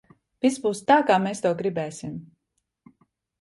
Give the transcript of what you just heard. Viss būs tā, kā mēs to gribēsim!